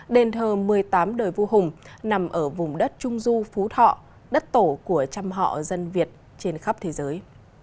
đền thờ một mươi tám đời vua hùng nằm ở vùng đất trung du phú thọ đất tổ của trăm họ dân việt trên khắp thế giới